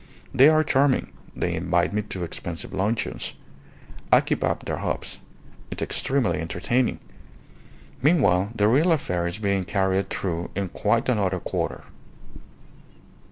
They are charming; they invite me to expensive luncheons; I keep up their hopes; it's extremely entertaining. Meanwhile, the real affair is being carried through in quite another quarter."